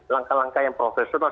langkah langkah yang profesional